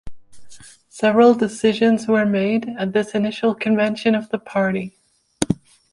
Several decisions were made at this initial convention of the party.